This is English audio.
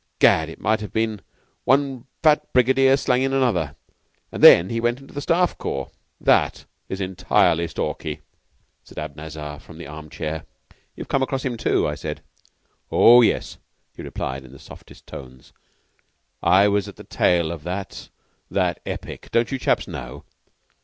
Gad, it might have been one fat brigadier slangin' another! Then he went into the Staff Corps." "That is entirely Stalky," said Abanazar from his arm chair. "You've come across him, too?" I said. "Oh, yes," he replied in his softest tones. "I was at the tail of that that epic. Don't you chaps know?"